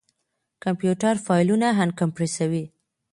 کمپيوټر فايلونه اَنکمپريسوي.